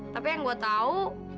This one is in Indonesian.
tapi yang gue tahu